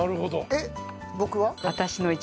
えっ僕は？